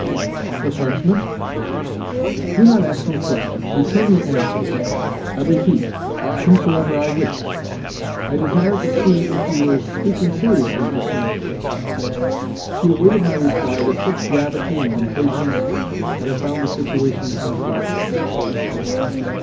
"The Frenchman?" "Do not ask me questions; return me answers. I repeat, whomsoever I wish? I desire to see if you were speaking seriously just now." She awaited my reply with such gravity and impatience that I found the situation unpleasant.